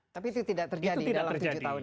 tapi itu tidak terjadi dalam tujuh tahun